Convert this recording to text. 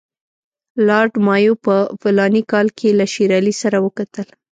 لارډ مایو په فلاني کال کې له شېر علي سره وکتل.